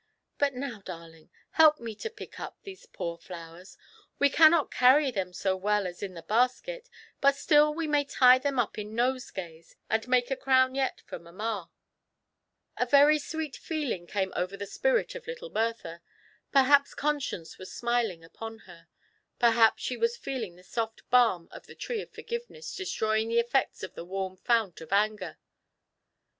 But. now, darling, help me to pick up these poor flowers ; we cannot carry them so well as in the basket, but still we may tie them up in nosegays, and make a crown yet for mamma" A very sweet feeling came over the spirit of little Bertha ; perhaps Conscience was smiling upon her, per haps she was feeling the soft balm of the tree of Forgive ness destroying the effects of the warm fount of Anger.